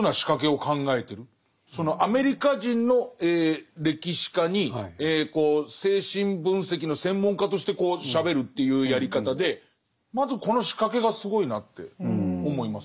そのアメリカ人の歴史家に精神分析の専門家としてしゃべるというやり方でまずこの仕掛けがすごいなって思います。